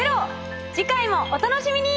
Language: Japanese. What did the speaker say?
次回もお楽しみに！